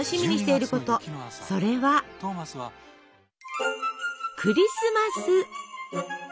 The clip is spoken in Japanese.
それはクリスマス！